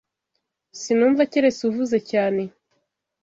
Sinumva keretse uvuze cyane